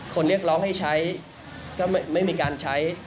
เรียกร้องให้ใช้ก็ไม่มีการใช้